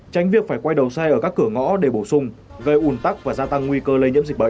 tránh việc phải quay đầu xe ở các cửa ngõ để bổ sung gây ủn tắc và gia tăng nguy cơ lây nhiễm dịch bệnh